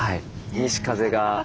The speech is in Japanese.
西風が。